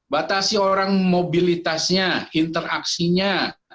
batasi orang mobilitasnya interaksinya